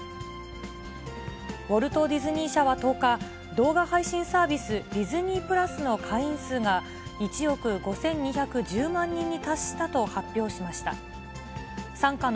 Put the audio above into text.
ウォルト・ディズニー社は１０日、動画配信サービス、ディズニー＋の会員数が、１億５２１０万人に達したと発表しました。